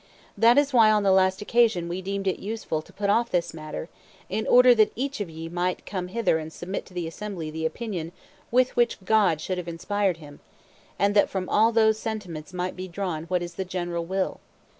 That is why on the last occasion we deemed it useful to put off this matter, in order that each of ye might come hither and submit to the assembly the opinion with which God should have inspired him, and that from all those sentiments might be drawn what is the general will.